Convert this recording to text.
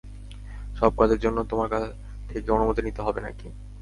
সব কাজের জন্য তোমার থেকে অনুমতি নিতে হবে নাকি?